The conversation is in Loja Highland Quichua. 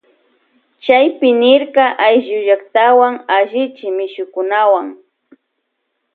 Chaypi nirka ayllullaktawan allichi mishukunawuan.